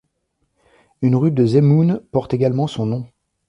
Une rue de Zemun porte également son nom.